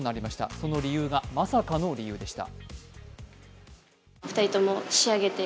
その理由が、まさかの理由でした。